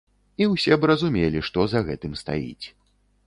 І ўсе б разумелі, што за гэтым стаіць.